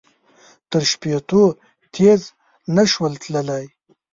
تر شپېتو تېز نه شول تللای.